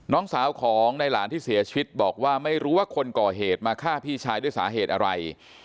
น้องสาวของในหลานที่เสียชีวิตบอกว่าไม่รู้ว่าคนก่อเหตุมาฆ่าพี่ชายด้วยสาเหตุอะไร